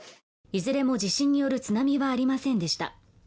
いずれも地震による津波はありませんでした。